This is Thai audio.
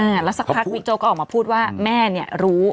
แล้วสักพักบิ๊กโจ๊กก็ออกมาพูดว่าแม่เนี่ยรู้